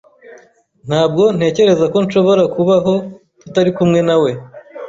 Ntabwo ntekereza ko nshobora kubaho tutari kumwe nawe.